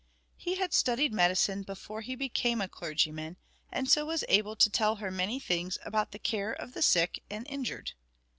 He had studied medicine before he became a clergyman, and so was able to tell her many things about the care of the sick and injured.